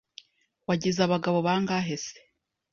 Wagize abagabo bangahe se